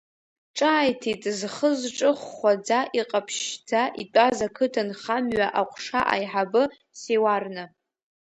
Ҿааиҭит зхы-зҿы хәхәаӡа, иҟаԥшьшьӡа итәаз ақыҭа нхамҩа аҟәша аиҳабы Сиуарна.